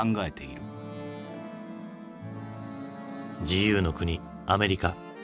自由の国アメリカ。